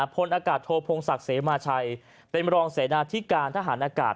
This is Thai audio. พลอากาศโทพงศักดิ์เสมาชัยเป็นรองเสนาที่การทหารอากาศ